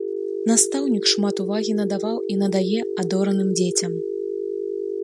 Настаўнік шмат увагі надаваў і надае адораным дзецям.